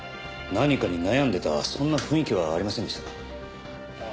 何かに悩んでいたそんな雰囲気はありませんでしたか？